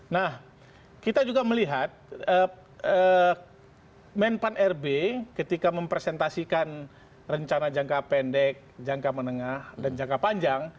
nah kita juga melihat menpan rb ketika mempresentasikan rencana jangka pendek jangka menengah dan jangka panjang